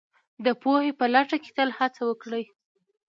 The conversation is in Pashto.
د پوهې په لټه کې تل هڅه وکړئ